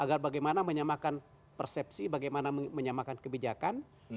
agar bagaimana menyamakan persepsi bagaimana menyamakan kebijakan